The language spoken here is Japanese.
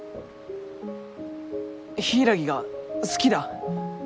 柊が好きだ。